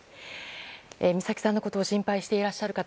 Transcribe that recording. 美咲さんのことを心配していらっしゃる方